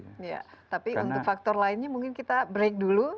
iya tapi untuk faktor lainnya mungkin kita break dulu